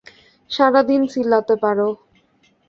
সারাদিন চিল্লাতে পারো।